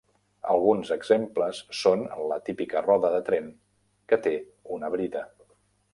Alguns exemples són la típica roda de tren que té una brida.